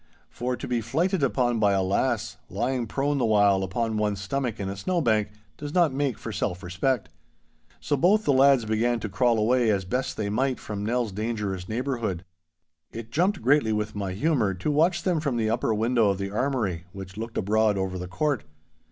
For to be flyted upon by a lass, lying prone the while upon one's stomach in a snow bank, does not make for self respect. So both the lads began to crawl away as best they might from Nell's dangerous neighbourhood. It jumped greatly with my humour to watch them from the upper window of the armoury which looked abroad over the court.